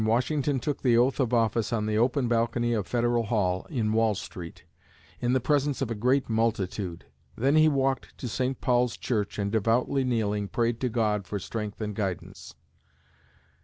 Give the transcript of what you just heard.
On April 30, 1789, Washington took the oath of office on the open balcony of Federal Hall, in Wall Street, in the presence of a great multitude. Then he walked to St. Paul's church and devoutly kneeling, prayed to God for strength and guidance.